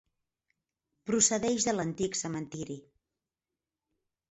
Procedeix de l'antic cementiri.